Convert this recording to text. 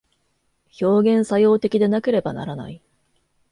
表現作用的でなければならない。